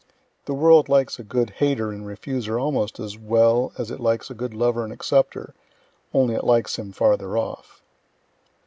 The world likes a good hater and refuser almost as well as it likes a good lover and accepter only it likes him farther off."